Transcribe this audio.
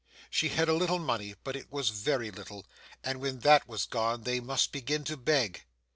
She had a little money, but it was very little, and when that was gone, they must begin to beg.